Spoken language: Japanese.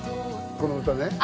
この歌ね。